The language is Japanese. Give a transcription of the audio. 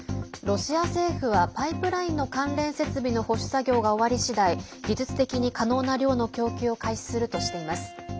ロシア政府はパイプラインの関連設備の保守作業が終わり次第技術的に可能な量の供給を開始するとしています。